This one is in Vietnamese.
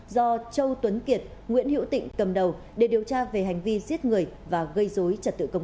do châu tuấn kiệt nguyễn hữu tịnh cầm đầu để điều tra về hành vi giết người và gây dối trật tự công cộng